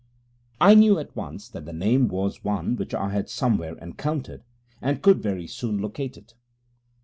I knew at once that the name was one which I had somewhere encountered, and could very soon locate it.